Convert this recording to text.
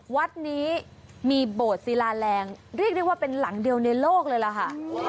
วัดนี้มีโบสถ์ศิลาแรงเรียกได้ว่าเป็นหลังเดียวในโลกเลยล่ะค่ะ